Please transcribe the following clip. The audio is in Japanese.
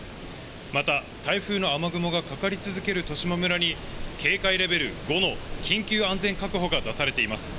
また台風の雨雲がかかり続ける十島村に警戒レベル５の緊急安全確保が出されています。